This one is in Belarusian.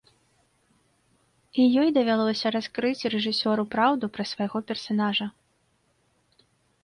І ёй давялося раскрыць рэжысёру праўду пра свайго персанажа.